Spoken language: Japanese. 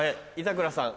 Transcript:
板倉さん。